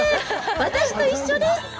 私と一緒です。